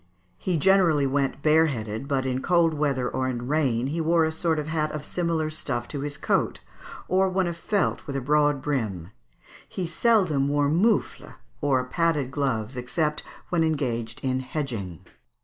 He generally went bareheaded, but in cold weather or in rain he wore a sort of hat of similar stuff to his coat, or one of felt with a broad brim. He seldom wore mouffles, or padded gloves, except when engaged in hedging.